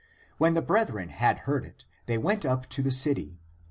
When the brethren had heard it, they went up to the city.